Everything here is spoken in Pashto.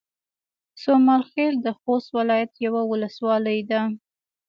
سومال خيل د خوست ولايت يوه ولسوالۍ ده